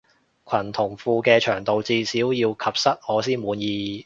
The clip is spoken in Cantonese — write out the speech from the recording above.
褲同裙嘅長度至少要及膝我先滿意